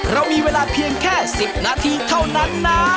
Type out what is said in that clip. เรามีเวลาเพียงแค่๑๐นาทีเท่านั้นนะ